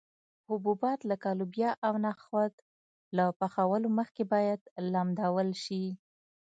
حبوبات لکه لوبیا او نخود له پخولو مخکې باید لمدول شي.